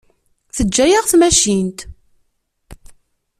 Teǧǧa-yaɣ tmacint.